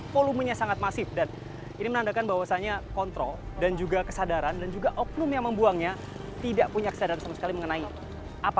volumenya sangat masif dan ini menandakan bahwasannya kontrol dan juga kesadaran dan juga oknum yang membuangnya tidak punya kesadaran sama sekali mengenai itu